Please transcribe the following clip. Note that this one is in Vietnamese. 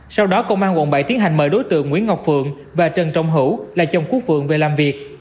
sau đó công an quận bảy tiến hành mời đối tượng nguyễn ngọc phượng và trần trọng hữu là chồng quốc phượng về làm việc